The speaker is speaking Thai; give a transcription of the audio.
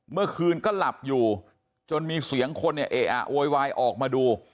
เมื่อคืนก็หลับอยู่จนมีเสียงคนเนี่ยเอะอะโวยวายออกมาดู